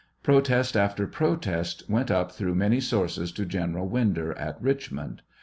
Protest after protest went up through many sources to General Winder at Richmond.